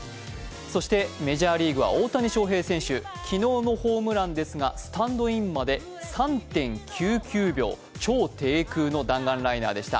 そしてメジャーリーグは大谷翔平選手、昨日のホームランですがスタンドインまで３．９９秒、超低空の弾丸ライナーでした。